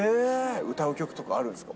歌う曲とかあるんですか？